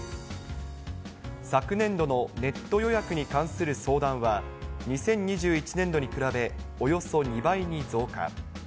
昨年度のネット予約に関する相談は、２０２１年度に比べ、およそ２倍に増加。